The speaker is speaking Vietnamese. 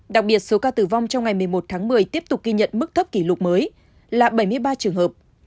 đặc biệt số ca tử vong trong ngày một mươi một tháng một mươi tiếp tục ghi nhận mức thấp kỷ lục mới là bảy mươi ba trường hợp